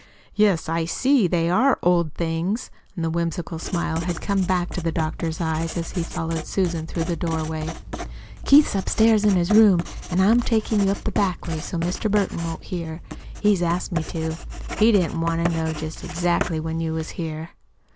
"Yes, I see they are old things." The whimsical smile had come back to the doctor's eyes as he followed Susan through the doorway. "Keith's upstairs in his room, an' I'm takin' you up the back way so's Mr. Burton won't hear. He asked me to. He didn't want to know jest exactly when you was here."